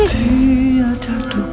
tidak ada duka